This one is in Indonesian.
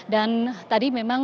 dan tadi memang